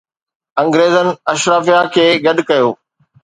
انگريزن اشرافيه کي گڏ ڪيو.